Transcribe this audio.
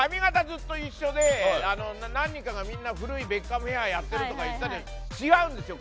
ずっと一緒で何人かが古いベッカムヘアやってるとか言ったけど違うんですよ